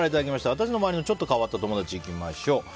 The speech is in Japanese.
私の周りのちょっと変わった友達いきましょう。